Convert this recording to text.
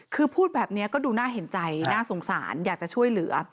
คือพูดแบบนี้ก็ดูน่าเห็นใจน่าสงสารอยากจะช่วยเหลือ